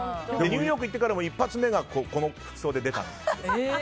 ニューヨーク行ってからも一発目がこの服装で出たんですよ。